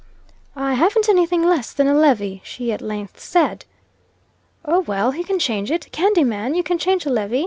"I havn't any thing less than a levy," she at length said. "Oh, well, he can change it. Candy man, you can change a levy?"